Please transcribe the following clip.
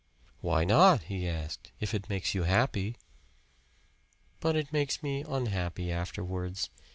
"Why not?" he asked "if it makes you happy." "But it makes me unhappy afterwards.